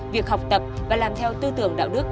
việc học tập và làm theo tư tưởng đạo đức